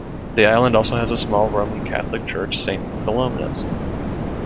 The Island also has a small Roman Catholic Church- Saint Philomena's.